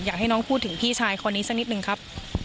อยากให้น้องพูดถึงพี่ชายคนนี้สักนิดนึงครับ